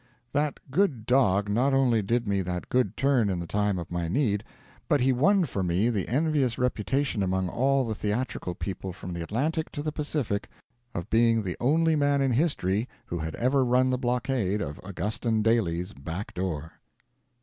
That good dog not only did me that good turn in the time of my need, but he won for me the envious reputation among all the theatrical people from the Atlantic to the Pacific of being the only man in history who had ever run the blockade of Augustin Daly's back door.